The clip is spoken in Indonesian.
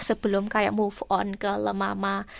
sebelum kayak move on ke lemama